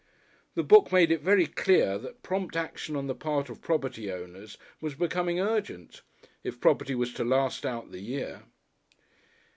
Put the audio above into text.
The book made it very clear that prompt action on the part of property owners was becoming urgent, if property was to last out the year.